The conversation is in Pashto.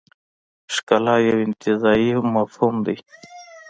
ښکلا یو انتزاعي مفهوم دی.